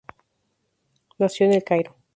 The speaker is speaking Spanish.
Nació en El Cairo.